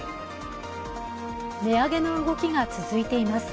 値上げの動きが続いています。